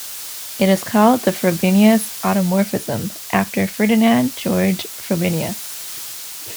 It is called the Frobenius automorphism, after Ferdinand Georg Frobenius.